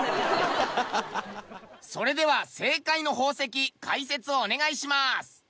それでは正解の宝石解説をお願いします。